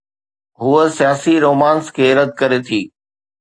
هوءَ سياسي رومانس کي رد ڪري ٿي.